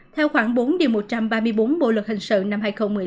theo khoảng bốn một trăm ba mươi bốn bộ luật hình sự năm hai nghìn một mươi năm